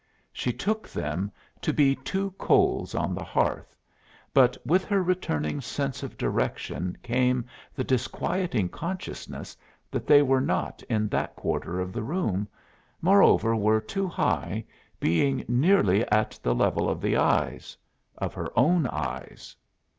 She took them to be two coals on the hearth, but with her returning sense of direction came the disquieting consciousness that they were not in that quarter of the room, moreover were too high, being nearly at the level of the eyes of her own eyes.